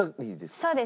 そうです。